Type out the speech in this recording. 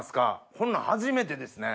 こんなん初めてですね。